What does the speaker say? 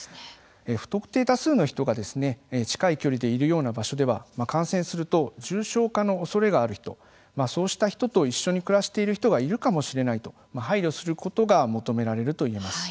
不特定多数の人が近い距離でいるような場所では感染すると重症化のおそれがある人そうした人と一緒に暮らしている人がいるかもしれないと配慮することが求められるといえます。